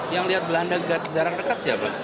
yang lihat belanda jarang dekat siapa